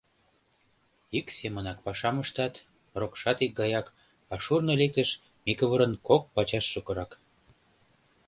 Ик семынак пашам ыштат, рокшат икгаяк, а шурно лектыш Микывырын кок пачаш шукырак.